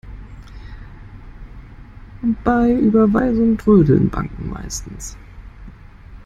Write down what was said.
Bei Überweisungen trödeln Banken meistens.